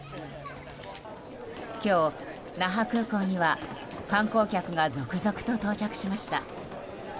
今日、那覇空港には観光客が続々と到着しました。